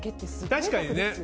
確かにね。